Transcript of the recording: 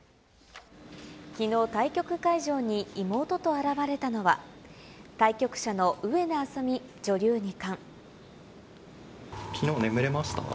きのう、対局会場に妹と現れたのは、きのう、眠れましたか？